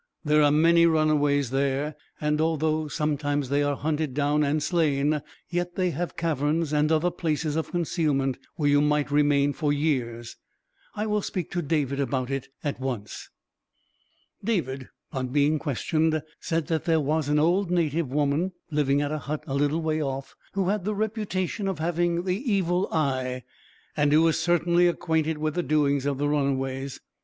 There are many runaways there, and although sometimes they are hunted down and slain; yet they have caverns, and other places of concealment, where you might remain for years. I will speak to David about it, at once." David, on being questioned, said that there was an old native woman, living at a hut a little way off, who had the reputation of having the evil eye, and who was certainly acquainted with the doings of the runaways.